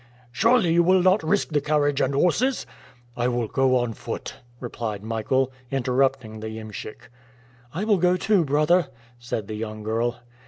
"Surely you will not risk the carriage and horses!" "I will go on foot," replied Michael, interrupting the iemschik. "I will go, too, brother," said the young girl.